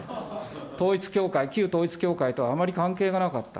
統一教会、旧統一教会とはあまり関係がなかった。